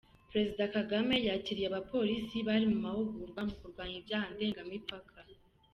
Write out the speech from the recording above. Perezida Kagame yakiriye Abapolisi bari mu mahugurwa mu kurwanya ibyaha ndengamipaka